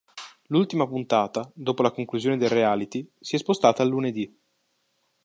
L'ultima puntata, dopo la conclusione del reality, si è spostata al lunedì.